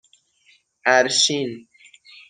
اَرشین